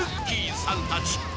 さんたち。